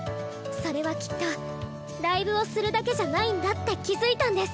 それはきっとライブをするだけじゃないんだって気付いたんです。